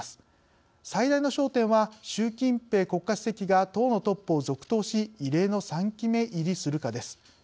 最大の焦点は習近平国家主席が党のトップを続投し異例の３期目入りするかです。